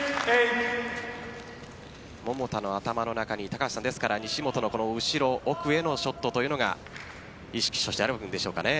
桃田の頭の中に西本の後ろ奥へのショットというのが意識としてあるんでしょうかね。